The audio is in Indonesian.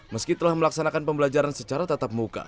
meski telah melaksanakan pembelajaran secara tatap muka